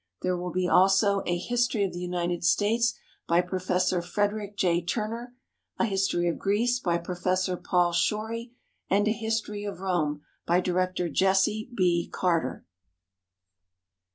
There will be also a history of the United States by Professor Frederick J. Turner; a history of Greece, by Professor Paul Shorey; and a history of Rome, by Director Jesse B. Carter.